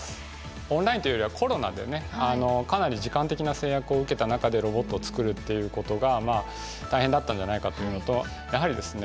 オンラインというよりはコロナでねかなり時間的な制約を受けた中でロボットを作るっていうことがまあ大変だったんじゃないかというのとやはりですね